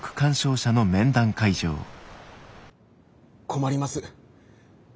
困ります。